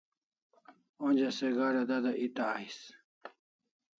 Onja se gada dada eta ais